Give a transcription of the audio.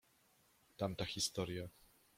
Tamta historia.